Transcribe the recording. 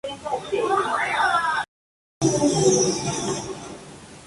Tienen unos rizomas cortos.